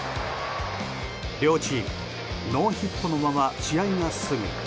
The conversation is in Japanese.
両チーム、ノーヒットのまま試合が進み